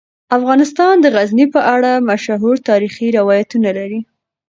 افغانستان د غزني په اړه مشهور تاریخی روایتونه لري.